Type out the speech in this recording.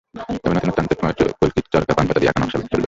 তবে নতুনত্ব আনতে ময়ূর, কলকি, চরকা, পানপাতা দিয়ে আঁকা নকশা বেশ চলবে।